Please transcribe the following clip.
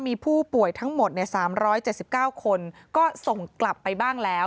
มีผู้ป่วยทั้งหมด๓๗๙คนก็ส่งกลับไปบ้างแล้ว